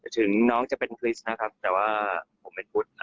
ถึงน้องจะเป็นคริสต์นะครับแต่ว่าผมเป็นพุทธ